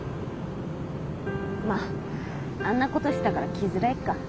まっあんなことしたから来づらいか。